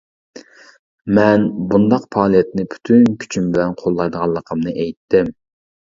مەن بۇنداق پائالىيەتنى پۈتۈن كۈچۈم بىلەن قوللايدىغانلىقىمنى ئېيتتىم.